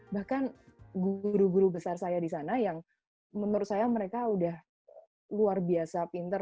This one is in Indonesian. bahkan guru guru besar saya di sana yang menurut saya mereka udah luar biasa pinter